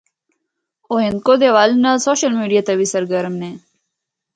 او ہندکو دے حوالے نال social media تے وی سرگرم نے۔